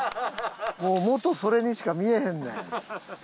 もう元それにしか見えへんねん。